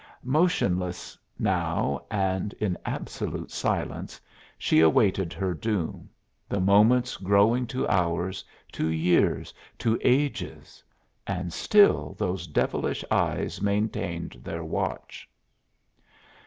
Motionless now and in absolute silence, she awaited her doom, the moments growing to hours, to years, to ages; and still those devilish eyes maintained their watch.